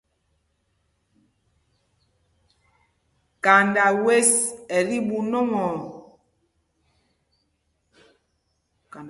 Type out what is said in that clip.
Kanda wěs ɛ tí ɓú nɔ́mɔɔ.